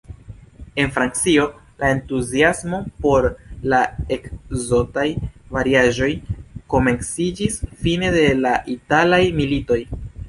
En Francio, la entuziasmo por la ekzotaj variaĵoj komenciĝis fine de la italaj militoj.